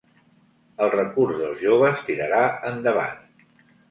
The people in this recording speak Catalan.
El recurs dels joves tirarà endavant